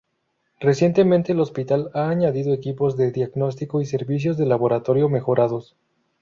Recientemente, el hospital ha añadido equipos de diagnóstico y servicios de laboratorio mejorados.